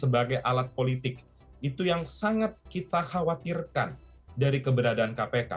dan politik itu yang sangat kita khawatirkan dari keberadaan kpk